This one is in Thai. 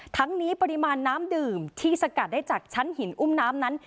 ทั้งนี้ปริมาณน้ำดื่มที่สกัดได้จากชั้นหินอุ้มน้ำนั้น